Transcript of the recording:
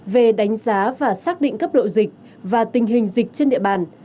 về đánh giá và xác định cấp độ dịch và tình hình dịch trên địa bàn